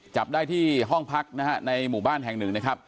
จับได้ที่ห้องพักในหมู่บ้านแห่งหนึ่ง